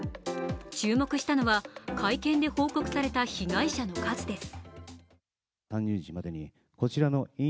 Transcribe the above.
注目したのは、会見で報告された被害者の数です。